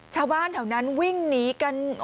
ชาวบ้านเถอะนั้นวิ่งหนีกันด้วยนะ